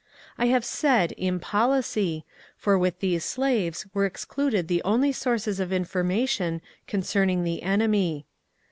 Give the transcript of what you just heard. I have said ^^ im policy/* for with these slaves were excluded the only sources of information concerning the ^ enemy.'